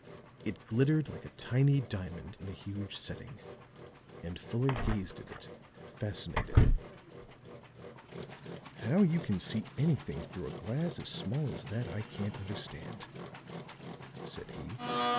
It glittered like a tiny diamond in a huge setting, and Fuller gazed at it fascinated. "How you can see anything through a glass as small as that I can't understand," said he.